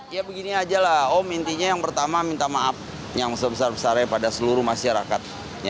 ya begini aja lah om intinya yang pertama minta maaf yang sebesar besarnya pada seluruh masyarakat